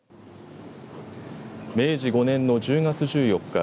明治５年の１０月１４日